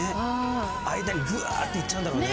間にぐわっといっちゃうんだろうね。